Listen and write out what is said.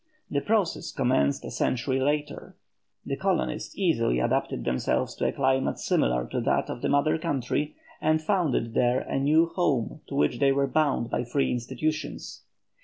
The process commenced a century later. The colonists easily adapted themselves to a climate similar to that of the mother country, and founded there a new home to which they were bound by free institutions.